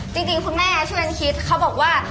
จริงคุณแม่ชื่อมันคิดเขาบอกว่า